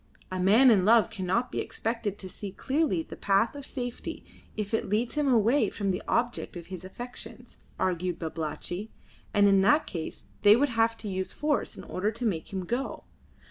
A man in love cannot be expected to see clearly the path of safety if it leads him away from the object of his affections, argued Babalatchi, and in that case they would have to use force in order to make him go.